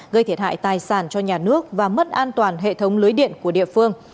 gây thiệt hại tài sản cho nhà nước và mất an toàn hệ thống lưới điện của địa phương